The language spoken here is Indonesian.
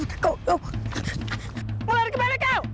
mulai dari kemana kau